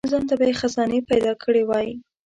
ځانته به یې خزانې پیدا کړي وای.